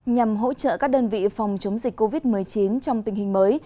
nhằm hỗ trợ các đơn vị phòng chống dịch covid một mươi chín trong tình hình mới